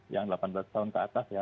yang delapan belas tahun ke atas ya